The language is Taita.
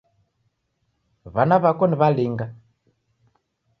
W'ana w'ako ni w'alinga?